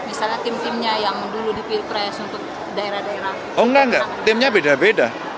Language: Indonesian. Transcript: misalnya tim timnya yang dulu dipercaya untuk daerah daerah oh enggak enggak timnya beda beda